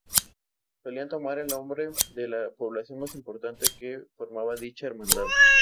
Solían tomar el nombre de la población más importante que formaba dicha hermandad.